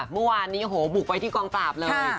เมื่อวานนี้โอ้โหบุกไปที่กองปราบเลย